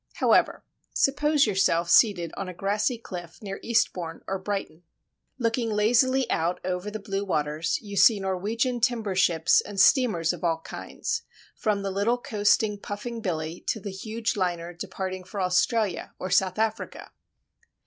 However, suppose yourself seated on a grassy cliff near Eastbourne or Brighton. Looking lazily out over the blue waters, you see Norwegian timber ships and steamers of all kinds, from the little coasting "Puffing Billy" to the huge liner departing for Australia or South Africa.